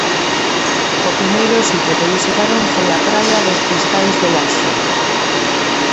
O primeiro sitio que visitaron foi a Praia dos Cristais de Laxe.